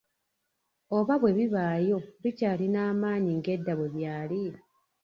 Oba bwe bibaayo bikyalina amaanyi ng’edda bwe byali?